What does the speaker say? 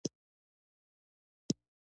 بهرنۍ مرستې چیرته لګیږي؟